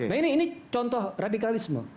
nah ini contoh radikalisme